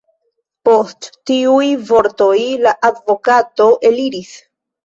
Post tiuj vortoj la advokato eliris.